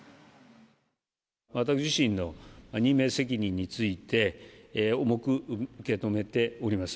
私自身の任命責任について、重く受け止めております。